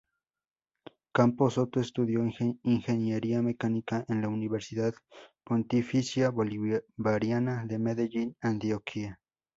Campo Soto estudió ingeniería mecánica en la Universidad Pontificia Bolivariana de Medellín, Antioquia.